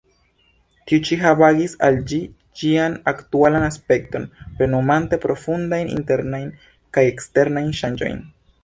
Tiu-ĉi havigis al ĝi ĝian aktualan aspekton, plenumante profundajn internajn kaj eksterajn ŝanĝojn.